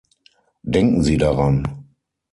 Denken Sie daran.